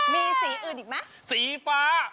มีสีอื่นอีกไหมสีฟ้า